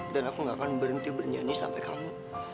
dan aku nggak akan berhenti berjani sampai kamu